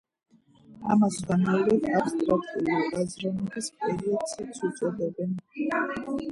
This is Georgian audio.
ამას სხვანაირად აბსტრაქტული აზროვნების პერიოდსაც უწოდებენ.